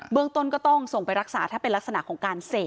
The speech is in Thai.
เมืองต้นก็ต้องส่งไปรักษาถ้าเป็นลักษณะของการเสพ